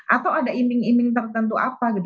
atau ada iming iming tertentu apa gitu